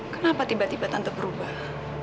kenapa tiba tiba tante berubah